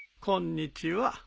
こんにちは。